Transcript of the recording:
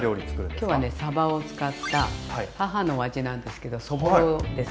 今日はねさばを使った母の味なんですけどそぼろです。